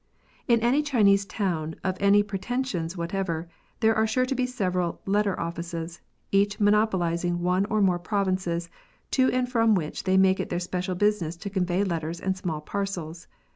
In any Chinese town of any pretensions whatever, there are sure to be several letter offices," each monopolising one or more provinces, to and from which they make it their special business to convey letters and small parcels.